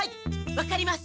分かります！